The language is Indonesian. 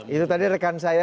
itu tadi rekan saya